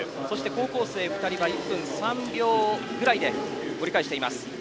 高校生２人は１分３秒ぐらいで折り返します。